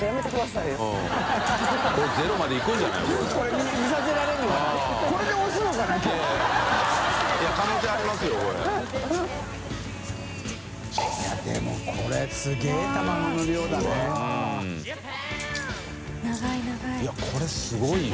いやこれすごいよ。